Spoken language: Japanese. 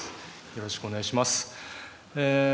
よろしくお願いします。